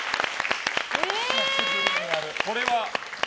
これは？